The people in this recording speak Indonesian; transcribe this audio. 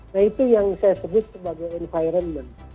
nah itu yang saya sebut sebagai environment